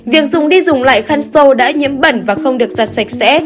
việc dùng đi dùng lại khăn sâu đã nhiễm bẩn và không được giặt sạch sẽ